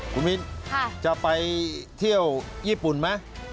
คุณวิทย์จะไปเที่ยวยี่ปุ่นไหมค่ะ